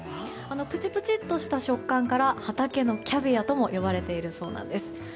プチプチとした食感から畑のキャビアとも呼ばれているそうです。